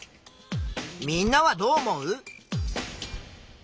みんなはどう思う？